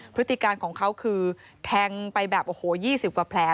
พฤติการของเขาคือแทงไปแบบโอ้โห๒๐กว่าแผล